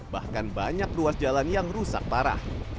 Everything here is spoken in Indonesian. bahkan banyak ruas jalan yang rusak parah